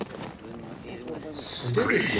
素手ですよ